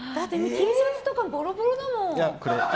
Ｔシャツとかボロボロだもん。